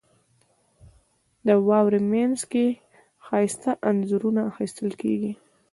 • د واورې مینځ کې ښایسته انځورونه اخیستل کېږي.